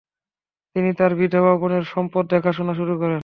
তিনি তার বিধবা বোনের সম্পদ দেখাশোনা শুরু করেন।